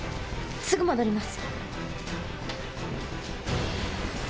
すぐ戻ります。